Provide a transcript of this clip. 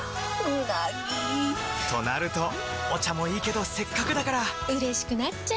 うなぎ！となるとお茶もいいけどせっかくだからうれしくなっちゃいますか！